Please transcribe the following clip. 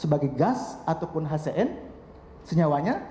sebagai gas ataupun hcn senyawanya